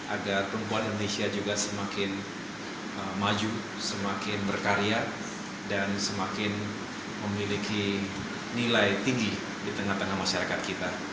agar perempuan indonesia juga semakin maju semakin berkarya dan semakin memiliki nilai tinggi di tengah tengah masyarakat kita